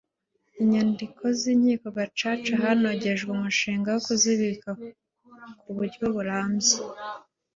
inyandiko z’Inkiko Gacaca hanogejwe umushinga wo kuzibika ku buryo burambye